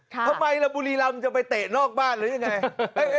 ทำไมล่ะบุรีรำจะไปเตะนอกบ้านหรือยังไง